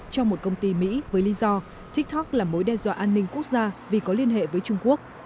cho một công ty mỹ với lý do tiktok là mối đe dọa an ninh quốc gia vì có liên hệ với trung quốc